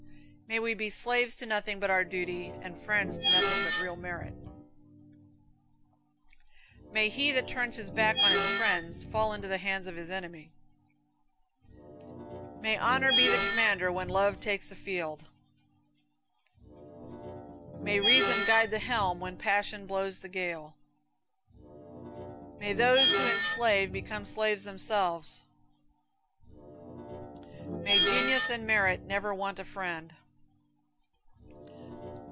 May we be slaves to nothing but our duty, and friends to nothing but real merit. May he that turns his back on his friend, fall into the hands of his enemy. May honor be the commander when love takes the field. May reason guide the helm when passion blows the gale. May those who would enslave become slaves themselves. May genius and merit never want a friend.